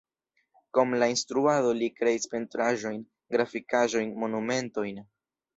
Krom la instruado li kreis pentraĵojn, grafikaĵojn, monumentojn.